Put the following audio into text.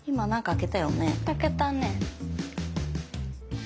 開けたね。